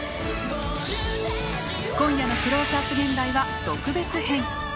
今夜の「クローズアップ現代」は特別編。